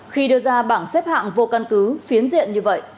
khi đưa ra bảng xếp hạng vô căn cứ phiến diện như vậy